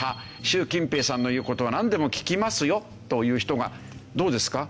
習近平さんの言う事はなんでも聞きますよという人がどうですか？